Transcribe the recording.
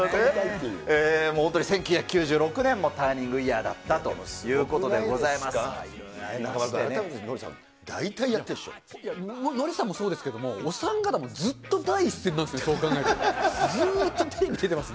もう本当に１９９６年もターニングイヤーだったということでノリさん、大体やってるでしノリさんもそうですけども、お三方もずっと第一線なんですよね、そう考えると。